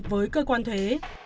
với cơ quan thuế